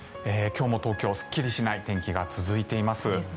今日も東京はすっきりしない天気が続いています。